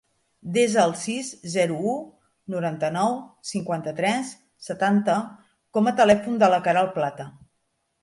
Desa el sis, zero, u, noranta-nou, cinquanta-tres, setanta com a telèfon de la Queralt Plata.